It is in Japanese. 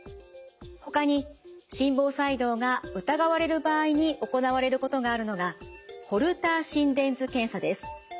ほかに心房細動が疑われる場合に行われることがあるのがホルター心電図検査です。